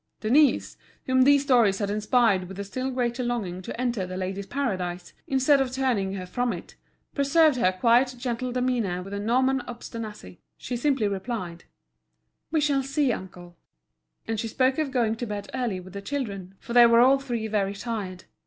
Denise, whom these stories had inspired with a still greater longing to enter The Ladies' Paradise, instead of turning her from it, preserved her quiet gentle demeanour with a Norman obstinacy. She simply replied: "We shall see, uncle." And she spoke of going to bed early with the children, for they were all three very tired.